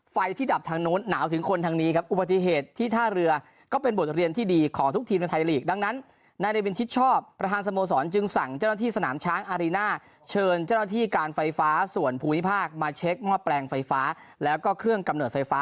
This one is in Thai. ไฟที่ดับทางโน้นหนาวถึงคนทางนี้ครับ